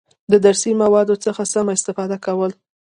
د درسي موادو څخه سمه استفاده کول،